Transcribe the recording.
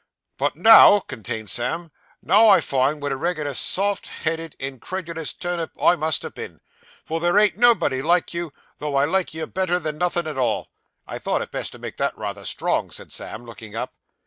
'"But now,"' continued Sam, '"now I find what a reg'lar soft headed, inkred'lous turnip I must ha' been; for there ain't nobody like you, though I like you better than nothin' at all." I thought it best to make that rayther strong,' said Sam, looking up.